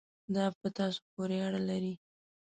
دا په تاسو پورې اړه لري.